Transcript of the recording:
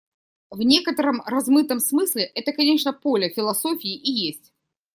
В некотором размытом смысле это, конечно, поле философии и есть.